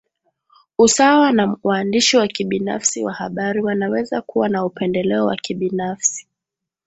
Usawa na waandishi wa kibinafsi wa habari wanaweza kuwa na upendeleo wa kibinafsi